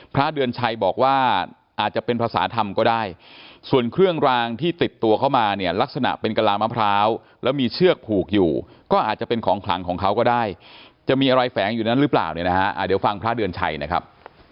พระเดือนชัยบอกว่าอาจจะเป็นภาษาธรรมก็ได้ส่วนเครื่องรางที่ติดตัวเข้ามาเนี่ยลักษณะเป็นกะลามะพร้าวแล้วมีเชือกผูกอยู่ก็อาจจะเป็นของขลังของเขาก็ได้จะมีอะไรแฝงอยู่นั้นหรือเปล่าเนี่ยนะฮะเดี๋ยวฟังพระเดือนชัยนะครับ